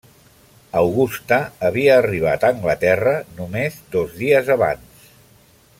Augusta havia arribat a Anglaterra només dos dies abans.